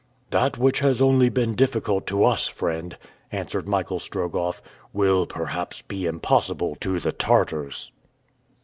"That which has only been difficult to us, friend," answered Michael Strogoff, "will, perhaps, be impossible to the Tartars."